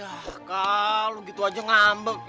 yah kah lu gitu aja ngambek